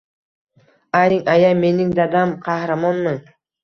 «Ayting, aya, mening dadam qahramonmi?